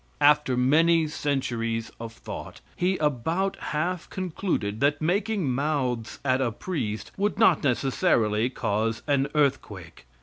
After many centuries of thought, he about half concluded that making mouths at a priest would not necessarily cause an earthquake.